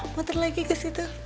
motor lagi kesitu